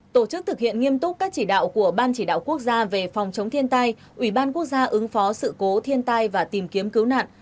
tổ chức thực hiện nghiêm túc các chỉ đạo của ban chỉ đạo quốc gia về phòng chống thiên tai ủy ban quốc gia ứng phó sự cố thiên tai và tìm kiếm cứu nạn